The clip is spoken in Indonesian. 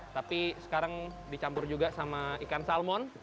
tapi sekarang dicampur juga sama ikan salmon